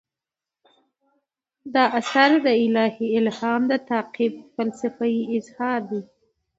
دا اثر د الهي الهام د تعقیب فلسفي اظهار دی.